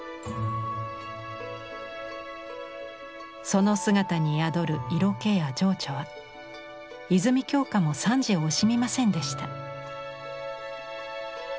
その姿に宿る色気や情緒は泉鏡花も賛辞を惜しみませんでした。